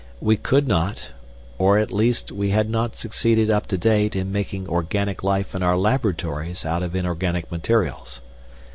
We could not or at least we had not succeeded up to date in making organic life in our laboratories out of inorganic materials.